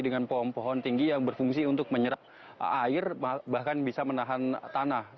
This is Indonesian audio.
dengan pohon pohon tinggi yang berfungsi untuk menyerap air bahkan bisa menahan tanah